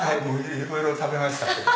いろいろ食べました。